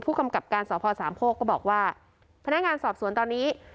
กำกับการสพสามโคกก็บอกว่าพนักงานสอบสวนตอนนี้